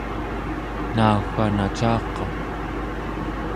nauwa nacaqa?